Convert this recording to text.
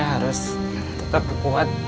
saya harus tetap kekuat